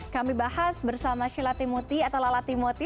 kami bahas bersama sheila timuti atau lala timuti